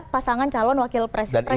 pasangan calon wakil presiden